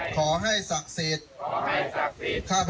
ขอให้ศักดิ์สิทธิ์